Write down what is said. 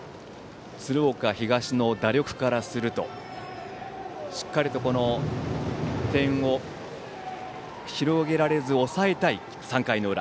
鶴岡東の打力からするとしっかりと点差を広げられず抑えたい、３回の裏。